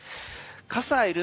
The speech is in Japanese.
傘いる？